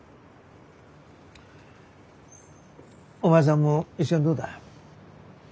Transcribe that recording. お前さんも一緒にどうだ？